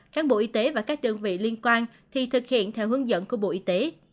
khán bộ y tế và các đơn vị liên quan thì thực hiện theo hướng dẫn của bộ y tế